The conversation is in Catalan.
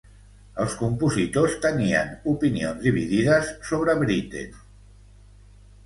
Els compositors tenien opinions dividides sobre Britten.